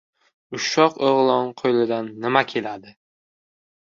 Ushoq o‘g‘lon qo‘lidan nimada keladi?